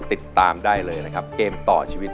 ติดตามได้เลยนะครับเกมต่อชีวิต